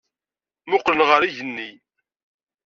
Mmuqqlen ɣer yigenni.